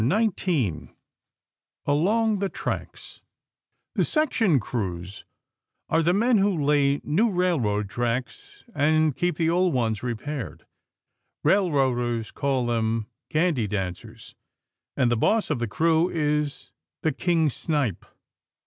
ALONG THE TRACKS The section crews are the men who lay new railroad tracks and keep the old ones repaired. Railroaders call them gandy dancers, and the boss of the crew is the king snipe.